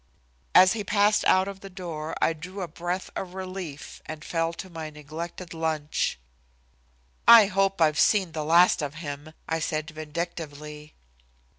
As he passed out of the door I drew a breath of relief and fell to my neglected lunch. "I hope I've seen the last of him," I said vindictively.